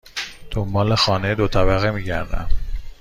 دنبال خانه دو طبقه می گردم.